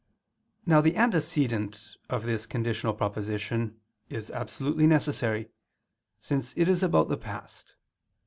Now the antecedent of this conditional proposition is absolutely necessary, since it is about the past.